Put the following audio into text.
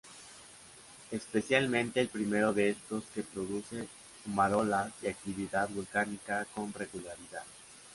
Especialmente el primero de estos que produce fumarolas y actividad volcánica con regularidad.